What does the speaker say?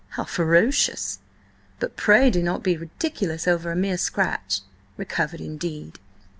"How ferocious! But pray do not be ridiculous over a mere scratch. Recovered, indeed!"